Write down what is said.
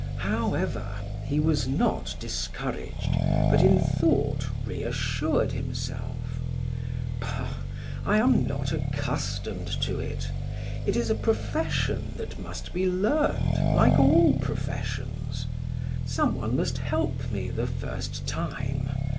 However, he was not discouraged, but in thought reassured himself: "Bah, I am not accustomed to it! It is a profession that must be learned like all professions. Some one must help me the first time.